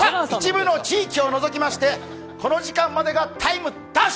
一部の地域を除きましてこの時間までが「ＴＩＭＥ’」！